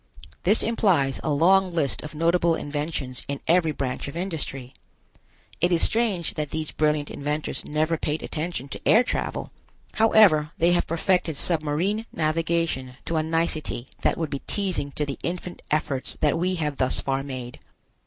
This implies a long list of notable inventions in every branch of industry. It is strange that these brilliant inventors never paid attention to air travel. However, they have perfected submarine navigation to a nicety that would be teasing to the infant efforts that we have thus far made.